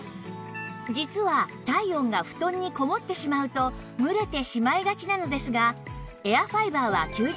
実は体温が布団にこもってしまうと蒸れてしまいがちなのですが